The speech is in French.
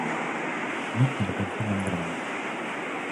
Puis il revient en Irlande.